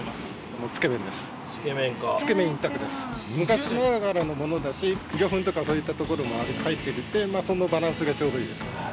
昔ながらのものだし魚粉とかそういったところも入っててそのバランスがちょうどいいですね。